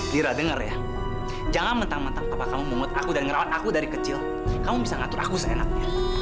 dira dengar ya jangan mentang mentang apakah kamu memungut aku dan ngerawat aku dari kecil kamu bisa ngatur aku seenaknya